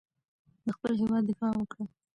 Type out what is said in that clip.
د خپل هېواد دفاع وکړه.